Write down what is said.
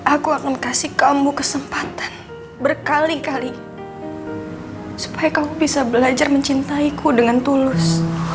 aku akan kasih kamu kesempatan berkali kali supaya kamu bisa belajar mencintaiku dengan tulus